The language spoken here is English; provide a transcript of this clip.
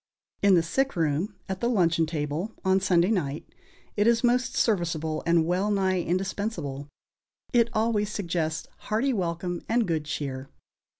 In the sick room, at the luncheon table, on Sunday night, it is most serviceable and wellnigh indispensable; it always suggests hearty welcome and good cheer.